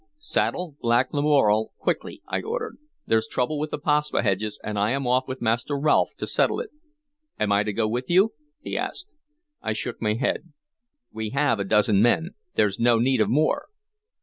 "Saddle Black Lamoral quickly," I ordered. "There's trouble with the Paspaheghs, and I am off with Master Rolfe to settle it." "Am I to go with you?" he asked. I shook my head. "We have a dozen men. There's no need of more."